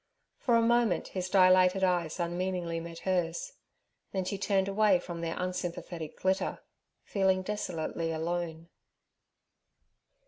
For a moment his dilated eyes unmeaningly met hers; then she turned away from their unsympathetic glitter, feeling desolately alone.